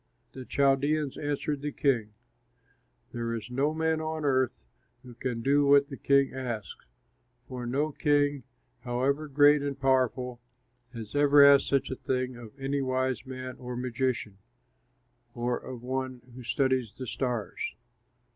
The Chaldeans answered the king, "There is no man on earth who can do what the king asks, for no king, however great and powerful, has ever asked such a thing of any wise man or magician, or of one who studies the stars.